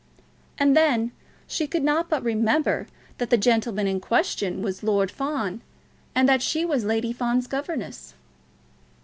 And then she could not but remember that the gentleman in question was Lord Fawn, and that she was Lady Fawn's governess.